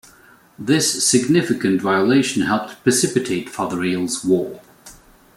This significant violation helped precipitate Father Rale's War.